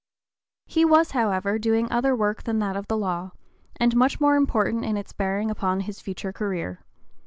He was, however, doing other work than that of the law, and much more important in its bearing upon his future career.